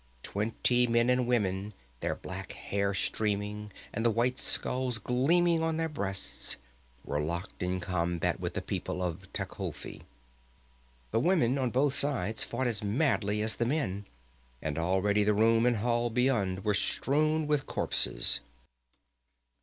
Twenty men and women, their black hair streaming, and the white skulls gleaming on their breasts, were locked in combat with the people of Tecuhltli. The women on both sides fought as madly as the men, and already the room and the hall beyond were strewn with corpses.